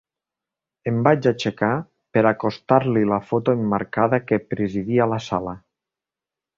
Em vaig aixecar per acostar-li la foto emmarcada que presidia la sala.